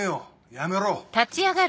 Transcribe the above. やめろ。